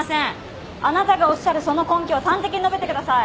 あなたがおっしゃるその根拠を端的に述べてください。